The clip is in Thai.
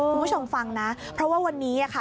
คุณผู้ชมฟังนะเพราะว่าวันนี้ค่ะ